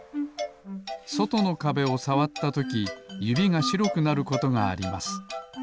そとのかべをさわったときゆびがしろくなることがあります。